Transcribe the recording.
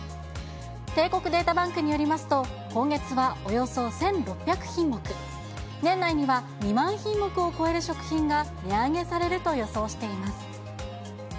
帝国データバンクによりますと、今月はおよそ１６００品目、年内には２万品目を超える食品が値上げされると予想しています。